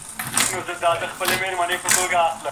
موږ به نه ورته کتل .